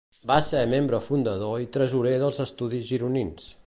Va ser membre fundador i tresorer dels Estudis Gironins.